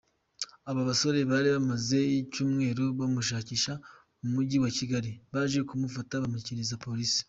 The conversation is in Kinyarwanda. Aba basore bari bamaze icyumweru bamushakisha mu mujyi wa Kigali, baje kumufata bamushyikiriza Polisi.